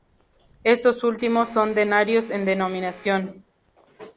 Estos últimos son denarios en denominación.